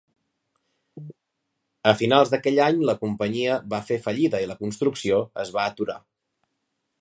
A finals d'aquell any la companyia va fer fallida i la construcció es va aturar.